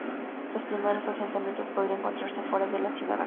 Los primeros asentamientos podrían encontrarse fuera de la ciudad actual.